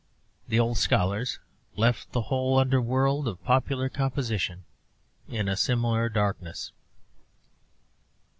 The old scholars left the whole under world of popular compositions in a similar darkness.